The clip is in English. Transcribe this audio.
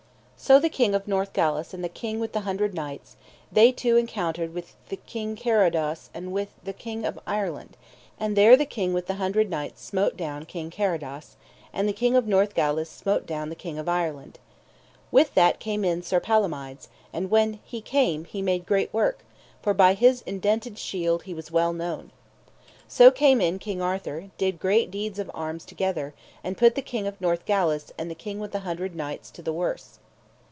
So the King of Northgalis and the King with the Hundred Knights, they two encountered with King Carados and with the King of Ireland; and there the King with the Hundred Knights smote down King Carados, and the King of Northgalis smote down the King of Ireland. With that came in Sir Palomides, and when he came he made great work, for by his indented shield he was well known. So came in King Arthur, and did great deeds of arms together, and put the King of Northgalis and the King with the Hundred Knights to the worse.